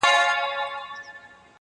سابقه د تفوق معیار دی